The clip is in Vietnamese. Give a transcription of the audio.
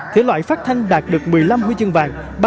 thể loại phát thanh đạt được một mươi năm huy chương vàng